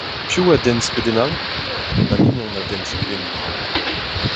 Piv a denn skeudennoù ? Ma mignon a denn skeudennoù brav.